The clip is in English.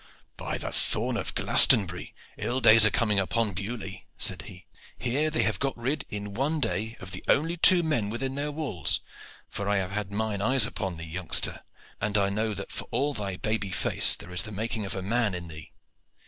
"By the thorn of Glastonbury! ill days are coming upon Beaulieu," said he. "Here they have got rid in one day of the only two men within their walls for I have had mine eyes upon thee, youngster, and I know that for all thy baby face there is the making of a man in thee.